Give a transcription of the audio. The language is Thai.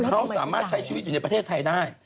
เขาสามารถใช้ชีวิตอยู่ในประเทศไทยได้